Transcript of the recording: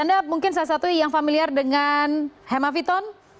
anda mungkin salah satu yang familiar dengan hemaviton